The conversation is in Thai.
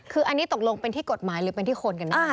คืออันนี้ตกลงเป็นที่กฎหมายหรือเป็นที่คนกันแน่